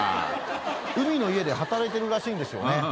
海の家で働いてるらしいんですよね。